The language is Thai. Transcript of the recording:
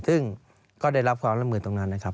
ซึ่งก็ได้รับความร่วมมือตรงนั้นนะครับ